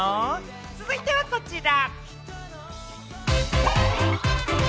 続いては、こちら。